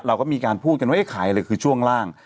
เราก็มีการพูดกันว่าขายอะไรคือช่วงล่าง